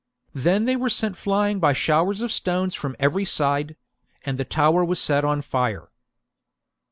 Then they were sent flying by showers of stones from every side ; and the tower was set on fire.